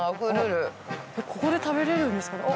ここで食べれるんですかね？